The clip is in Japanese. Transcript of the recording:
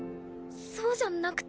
そうじゃなくて。